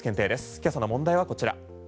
今朝の問題はこちら。